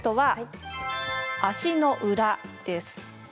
足の裏です。